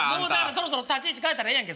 そろそろ立ち位置変えたらいいやん